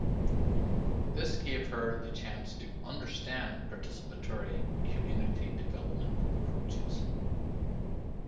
This gave her the chance to understand participatory community development approaches.